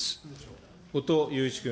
後藤祐一君。